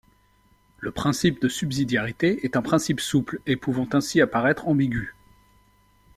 Le principe de subsidiarité est un principe souple et pouvant ainsi apparaître ambigu.